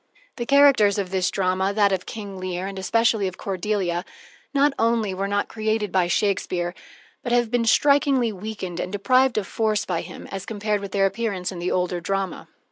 The characters of this drama, that of King Lear, and especially of Cordelia, not only were not created by Shakespeare, but have been strikingly weakened and deprived of force by him, as compared with their appearance in the older drama.